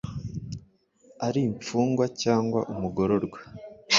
ari imfungwa cyangwa umugororwa